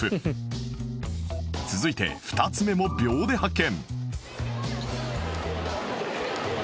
続いて２つ目も秒で発見